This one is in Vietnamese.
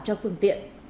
trong phương tiện